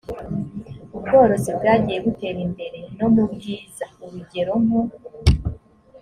ubworozi bwagiye butera imbere no mu bwiza urugero nko